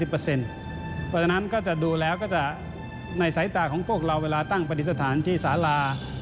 เพราะฉะนั้นก็จะดูแล้วก็จะในสายตาของพวกเราเวลาตั้งปฏิสถานที่สารา